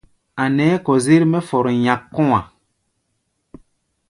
A̧ nɛɛ́ kɔzér mɛ́ fɔr nyɛ́k kɔ̧́-a̧.